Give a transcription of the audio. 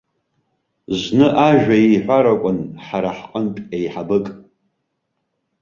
Зны ажәа иҳәар акәын ҳара ҳҟынтә еиҳабык.